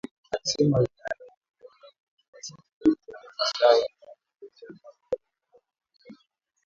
Alisema Uganda na Rwanda wana nafasi nzuri ya kutumia kwa maslahi yao fursa zilizoko Jamhuri ya Kidemokrasia ya Kongo